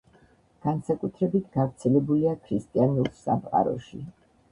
განსაკუთრებით გავრცელებულია ქრისტიანულ სამყაროში.